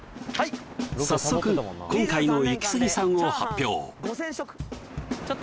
早速今回のイキスギさんを発表